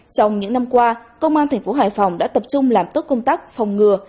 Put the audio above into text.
trong những năm qua công an thành phố hải phòng đã tập trung làm tốt công tác phòng ngừa